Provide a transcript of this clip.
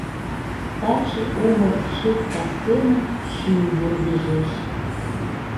Таче умыр шып кастене Шӱм вургыжеш.